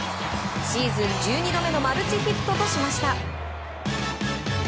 シーズン１２度目のマルチヒットとしました。